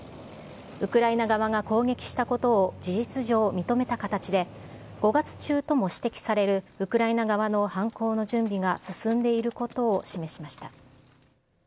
ウクライナ側が攻撃したことを事実上認めた形で、５月中とも指摘されるウクライナ側の反攻の準備が進んでいることを示しました。